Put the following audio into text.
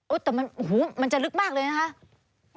แต่มันโอ้โหมันจะลึกมากเลยนะคะ